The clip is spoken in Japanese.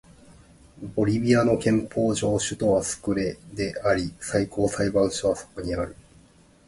ボリビアの憲法上の首都はスクレであり最高裁判所はそこにある